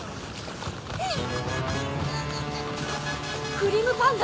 クリームパンダ！